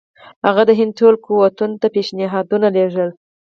هغه د هند ټولو قوتونو ته پېشنهادونه لېږلي.